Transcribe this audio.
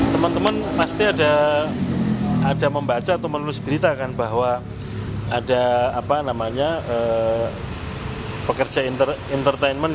teman teman pasti ada membaca atau menulis berita kan bahwa ada pekerja entertainment